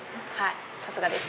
さすがです。